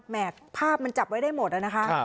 แหมดภาพมันจับไว้ได้หมดแล้วนะคะครับ